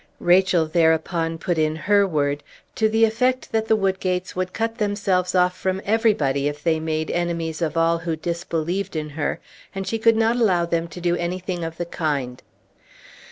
Rachel thereupon put in her word, to the effect that the Woodgates would cut themselves off from everybody if they made enemies of all who disbelieved in her, and she could not allow them to do anything of the kind.